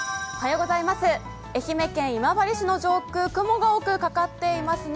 愛媛県今治市の上空、雲が多くかかっていますね。